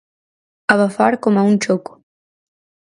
Abafar coma un choco